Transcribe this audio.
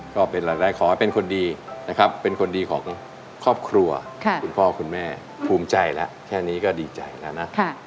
ก็เป็นรายได้ขอให้เป็นคนดีนะครับเป็นคนดีของครอบครัวคุณพ่อคุณแม่ภูมิใจแล้วแค่นี้ก็ดีใจแล้วนะ